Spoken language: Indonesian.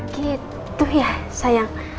gitu ya sayang